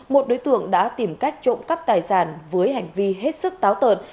một đối tượng đã tìm cách trộm cắp tài sản với hành vi hết sức táo tợn